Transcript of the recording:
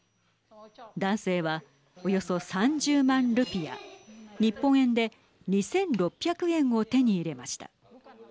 男性は、およそ３０万ルピア日本円で２６００円を手に入れました。